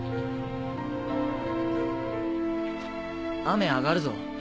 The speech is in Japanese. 雨上がるぞ。